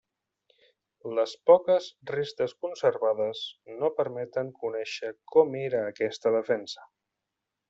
Les poques restes conservades no permeten conèixer com era aquesta defensa.